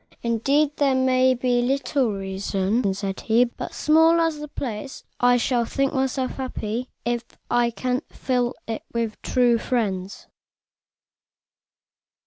"Indeed, there may be little reason," said he; "but, small as the place is, I shall think myself happy if I can fill even it with true friends."